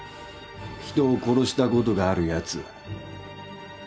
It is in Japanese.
人を殺したことがあるやつ